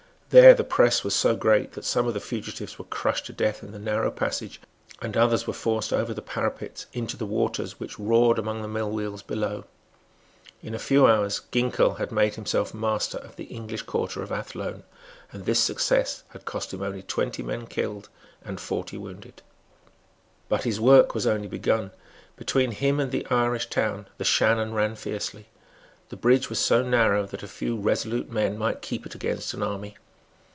There the press was so great that some of the fugitives were crushed to death in the narrow passage, and others were forced over the parapets into the waters which roared among the mill wheels below. In a few hours Ginkell had made himself master of the English quarter of Athlone; and this success had cost him only twenty men killed and forty wounded. But his work was only begun. Between him and the Irish town the Shannon ran fiercely. The bridge was so narrow that a few resolute men might keep it against an army.